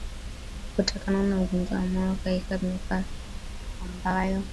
kutokana na ugonjwa wa moyo Kaika miaka ambayo